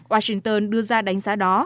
washington đưa ra đánh giá đó